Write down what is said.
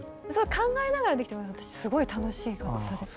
考えながらできて私すごい楽しかったです。